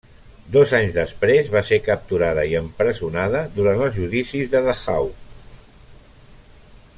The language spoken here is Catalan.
Dos anys després va ser capturada i empresonada durant els judicis de Dachau.